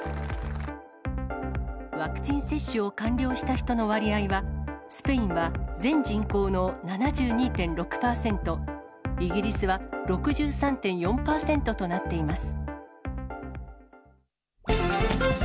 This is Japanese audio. ワクチン接種を完了した人の割合は、スペインは全人口の７２．６％、イギリスは６３．４％となっています。